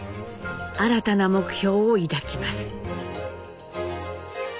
新たな目標を抱きます。